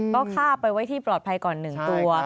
ก็ฆ่าไปไว้ที่ปลอดภัยก่อน๑ตัว